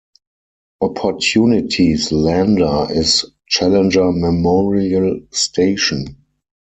Opportunity's lander is "Challenger Memorial Station".